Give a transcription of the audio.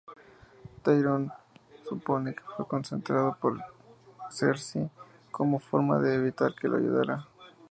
Tyrion supone que fue concertado por Cersei como forma de evitar que lo ayudara.